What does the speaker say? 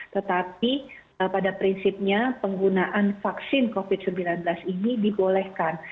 tetapi pada prinsipnya penggunaan vaksin covid sembilan belas ini dibolehkan